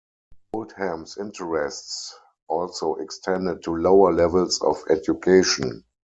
Oldham's interests also extended to lower levels of education.